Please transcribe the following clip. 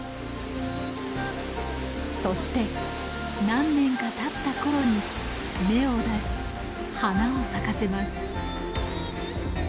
そして何年かたった頃に芽を出し花を咲かせます。